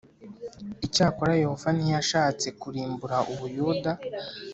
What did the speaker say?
Icyakora Yehova ntiyashatse kurimbura u Buyuda